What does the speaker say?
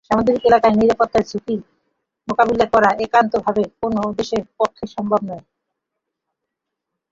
সামুদ্রিক এলাকার নিরাপত্তার ঝুঁকি মোকাবিলা করা এককভাবে কোনো দেশের পক্ষে সম্ভব নয়।